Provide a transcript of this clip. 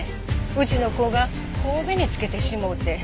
うちの子が頬紅つけてしもうて。